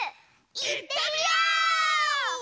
いってみよう！